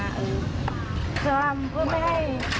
ไม่ได้มีเจตนาที่จะเล่ารวมหรือเอาทรัพย์ของคุณ